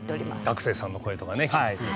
学生さんの声とかね。